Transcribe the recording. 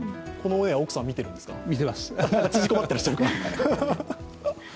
このオンエア、奥さん見ているんですか。